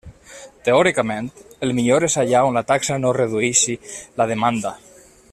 Teòricament, el millor és allà on la taxa no redueixi la demanda.